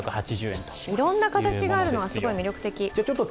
いろんな形があるのは、すごい魅力的。